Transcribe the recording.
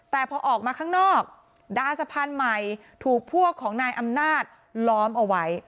แต่พอออกมาข้างนอกดาสะพานใหม่ถูกพวกของนายอำนาจล้อมเอาไว้